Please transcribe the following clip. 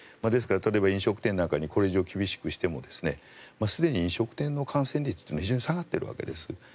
ですから、例えば飲食店なんかにこれ以上厳しくしてもすでに飲食店の感染率は非常に下がっているわけです。